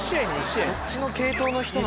そっちの系統の人なの？